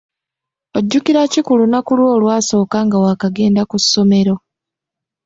Ojjukira ki ku lunaku lwo olwasooka nga waakagenda ku ssomero?